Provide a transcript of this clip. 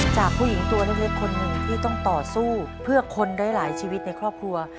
จากผู้หญิงตัวเล็กคนหนึ่งที่ต้องต่อสู้เพื่อคนหลายชีวิตในครอบครัว